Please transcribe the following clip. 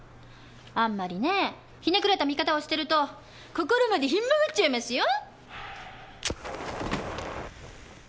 あんまりねぇひねくれた見方をしてると心までひん曲がっちゃいますよ？